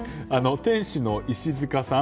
店主の石塚さん